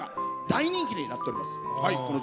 大人気になっております。